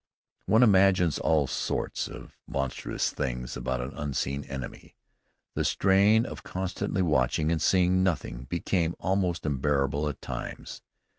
One imagines all sorts of monstrous things about an unseen enemy. The strain of constantly watching and seeing nothing became almost unbearable at times.